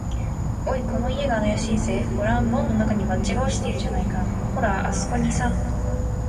「おい、この家があやしいぜ。ごらん、門のなかにも、バッジが落ちているじゃないか。ほら、あすこにさ」